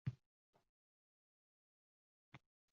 Xotinimning maqollar bisotida shunaqasi ham bor ekan